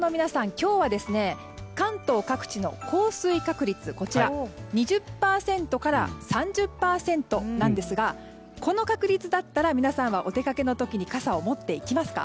今日は関東各地の降水確率２０％から３０％なんですがこの確率だったら皆さんはお出かけの時に傘を持っていきますか？